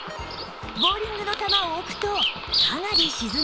ボウリングの球を置くとかなり沈み込みます